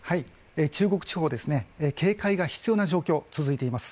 中国地方は警戒が必要な状況が続いています。